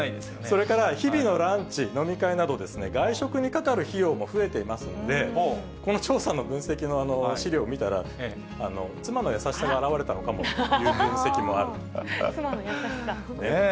それから日々のランチ、飲み会など外食にかかる費用も増えていますので、この調査の分析の資料を見たら、妻の優しさが表れたのかもという妻の優しさ。